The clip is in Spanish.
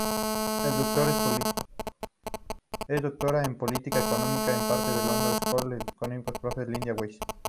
Es Doctora en Política Económica por parte de London School of Economics.Professor Linda Weiss.